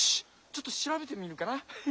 ちょっとしらべてみるかな。